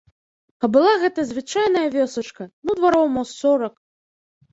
А была гэта звычайная вёсачка, ну двароў мо з сорак.